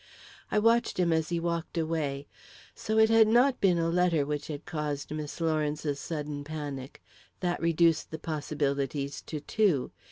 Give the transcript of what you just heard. I watched him as he walked away. So it had not been a letter which had caused Miss Lawrence's sudden panic. That reduced the possibilities to two.